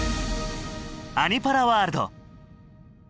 「アニ×パラワールド」！